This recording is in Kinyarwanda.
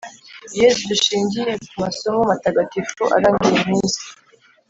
yezu dushingiye ku masomo matagatifu aranga iyi minsi